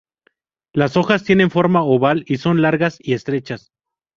Las hojas tienen forma oval y son largas y estrechas.